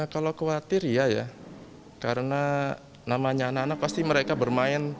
kalau khawatir iya ya karena namanya anak anak pasti mereka bermain